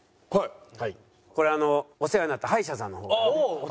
これお世話になった歯医者さんの方からね。